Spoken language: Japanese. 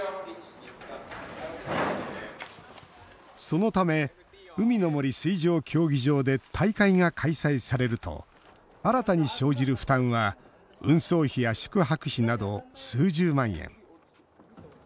そのため海の森水上競技場で大会が開催されると新たに生じる負担は運送費や宿泊費など数十万円。